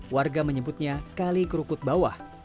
warga menyebutnya kali kerukut bawah